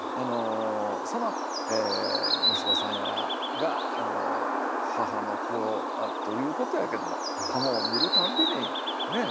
その息子さんやらが母の句をということやけども鱧を見るたんびにねえ。